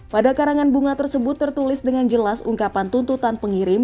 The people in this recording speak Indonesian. pada karangan bunga tersebut tertulis dengan jelas ungkapan tuntutan pengirim